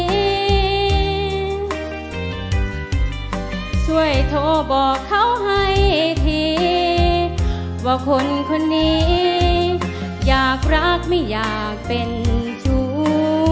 ช่วยโทรบอกเขาให้ทีว่าคนคนนี้อยากรักไม่อยากเป็นชู้